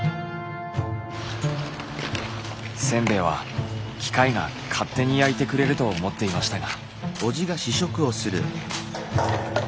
せんべいは機械が勝手に焼いてくれると思っていましたが。